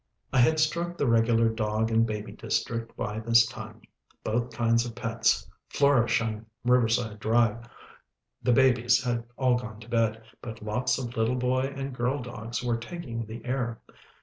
I had struck the regular dog and baby district by this time. Both kinds of pets flourish on Riverside Drive. The babies had all gone to bed, but lots of little boy and girl dogs were taking the air.